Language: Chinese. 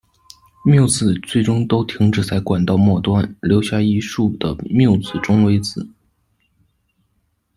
μ 子最终都停止在管道末端，留下一束的 μ 子中微子。